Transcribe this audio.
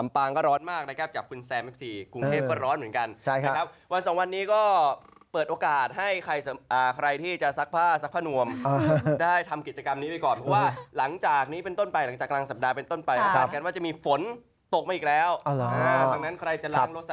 พนมสารคามลำปางก็ร้อนมากนะครับ